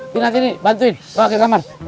bantuin bantuin bawa ke kamar